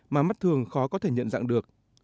mà mắt thường khó có thể nhận dạng được